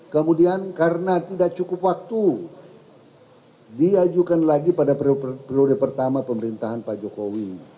kemudian karena tidak cukup waktu diajukan lagi pada periode pertama pemerintahan pak jokowi